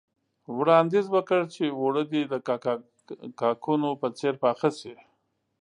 وړانديز وکړ چې اوړه دې د کاکونو په څېر پاخه شي.